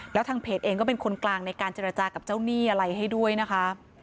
แล้วทางเพจเองก็เป็นคนกลางในการเจรจากับเจ้าหนี้อะไรให้ด้วยนะคะ